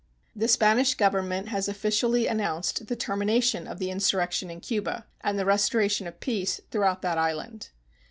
The Spanish Government has officially announced the termination of the insurrection in Cuba and the restoration of peace throughout that island.